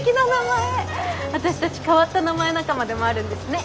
私たち変わった名前仲間でもあるんですね。